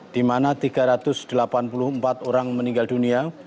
di mana tiga ratus delapan puluh empat orang meninggal dunia